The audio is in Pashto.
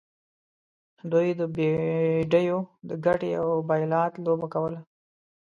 دوی د بیډیو د ګټې او بایلات لوبه کوله.